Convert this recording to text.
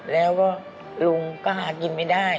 แล้วก็ลุงก็หากินไม่ได้